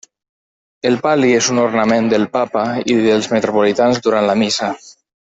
El pal·li és un ornament del Papa i dels metropolitans durant la Missa.